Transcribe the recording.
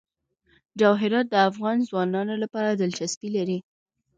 جواهرات د افغان ځوانانو لپاره دلچسپي لري.